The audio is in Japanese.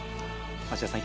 町田さん